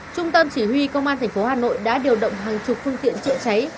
trung tâm chỉ huy công an thành phố hà nội đã điều động hàng chục phương tiện chữa cháy